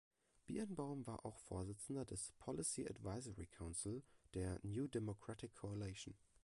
Birnbaum war auch Vorsitzender des „Policy Advisory Council“ der „New Democratic Coalition“.